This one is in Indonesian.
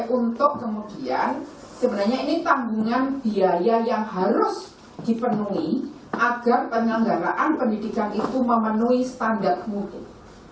ini teman teman sekalian kita dasarkan sebagai untuk kemudian sebenarnya ini tanggungan biaya yang harus dipenuhi agar penyelenggaraan pendidikan itu memenuhi standar kemudian